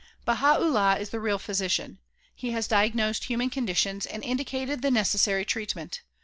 Baha 'Ullah is the real physician. He has diagnosed human conditions and indicated the necessary treatment.